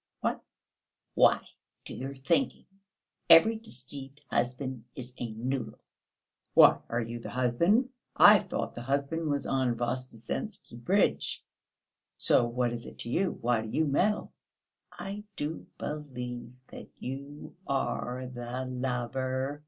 "What?..." "Why, to your thinking, every deceived husband is a noodle!" "Why, are you the husband? I thought the husband was on Voznesensky Bridge? So what is it to you? Why do you meddle?" "I do believe that you are the lover!..."